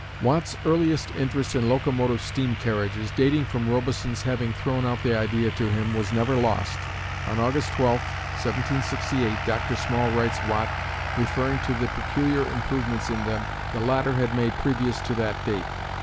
Watt's early interest in locomotive steam carriages, dating from Robison's having thrown out the idea to him, was never lost. On August 12, 1768, Dr. Small writes Watt, referring to the "peculiar improvements in them" the latter had made previous to that date.